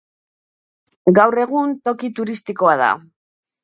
Gaur egun toki turistikoa da.